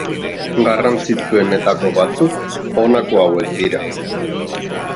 Garrantzitsuenetako batzuk, honako hauek dira.